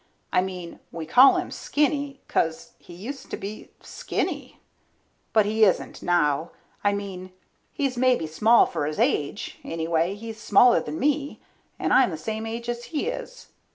I mean, we call him Skinny 'cause he used to be Skinny. But he isn't now, I mean he's maybe small for his age, anyway he's smaller than me, and I'm the same age as he is.